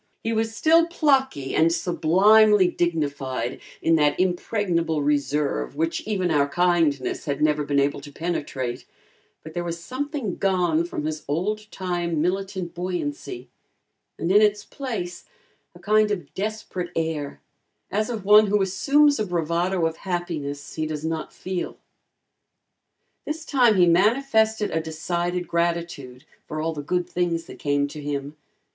He was still plucky and sublimely dignified in that impregnable reserve which even our kindness had never been able to penetrate, but there was something gone from his old time militant buoyancy, and in its place a kind of desperate air, as of one who assumes a bravado of happiness he does not feel. This time he manifested a decided gratitude for all the good things that came to him.